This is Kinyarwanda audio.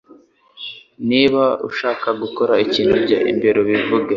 Niba ushaka kuvuga ikintu, jya imbere ubivuge.